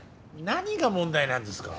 何が問題なんですか。